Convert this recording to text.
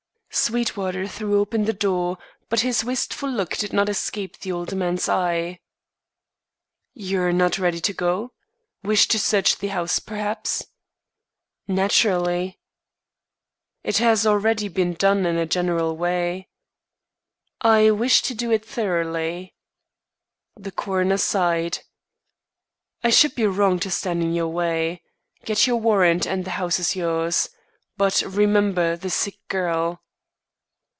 Sweetwater threw open the door, but his wistful look did not escape the older man's eye. "You're not ready to go? Wish to search the house, perhaps." "Naturally." "It has already been done in a general way." "I wish to do it thoroughly." The coroner sighed. "I should be wrong to stand in your way. Get your warrant and the house is yours. But remember the sick girl."